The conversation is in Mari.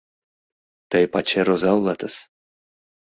Тый пачер оза улатыс.